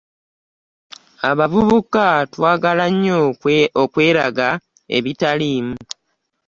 Abavubuka twagala nnyo okweraga ebitaliimu.